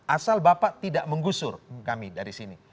asal bapak tidak menggusur kami dari sini